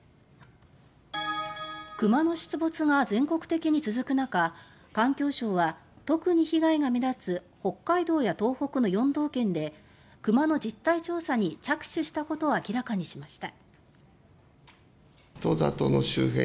クマの出没が全国的に続く中環境省は特に被害が目立つ北海道や東北の４道県でクマの実態調査に着手したことを明らかにしました。